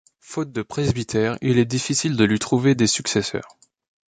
Faute de presbytère, il est difficile de lui trouver des successeurs.